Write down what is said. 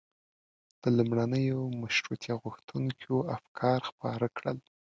د لومړنیو مشروطیه غوښتونکيو افکار خپاره کړل.